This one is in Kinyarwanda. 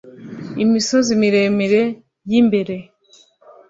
imisozi miremire y imbere